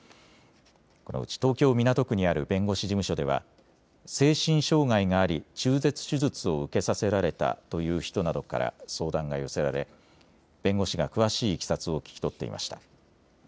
このうち東京港区にある弁護士事務所では精神障害があり中絶手術を受けさせられたという人などから相談が寄せられ弁護士が詳しいいきさつを聞き取っていました。